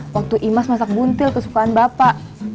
waktu imas masak buntil kesukaan bapak